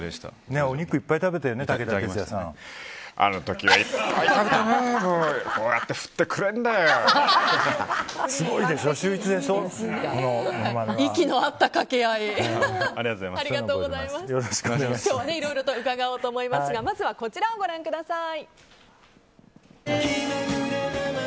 今日はいろいろと伺おうと思いますがまずはこちらをご覧ください。